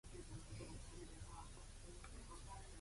終わりました。